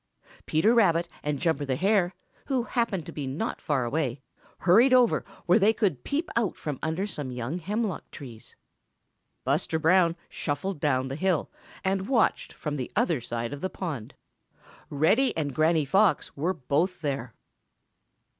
Peter Rabbit and Jumper the Hare, who happened to be not far away, hurried over where they could peep out from under some young hemlock trees. Buster Bear shuffled down the hill and watched from the other side of the pond. Reddy and Granny Fox were both there.